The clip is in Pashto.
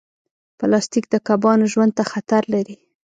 پلاستيک د کبانو ژوند ته خطر لري.